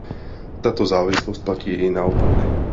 Tato závislost platí i naopak.